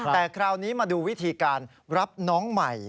แต่คราวนี้มาดูวิธีการรับน้องใหม่